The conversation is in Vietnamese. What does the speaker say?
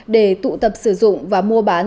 để tụ tập sử dụng và mua bán